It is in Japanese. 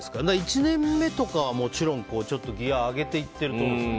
１年目とかはもちろん上げていってると思うんですよ。